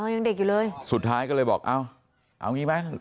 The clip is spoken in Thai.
ยังเด็กอยู่เลยสุดท้ายก็เลยบอกเอาเอางี้ไหม